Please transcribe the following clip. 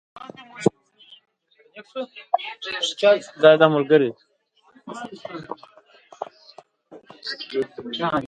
آیا تاریخ به یې ولیکي؟